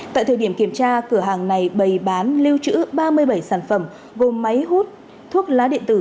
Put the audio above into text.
tại thời điểm kiểm tra cửa hàng này bày bán lưu trữ ba mươi bảy sản phẩm gồm máy hút thuốc lá điện tử